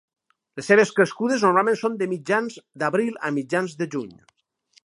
Les seves crescudes normalment són de mitjans d'abril a mitjans de juny.